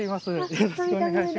よろしくお願いします。